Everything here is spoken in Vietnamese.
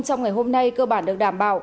trong ngày hôm nay cơ bản được đảm bảo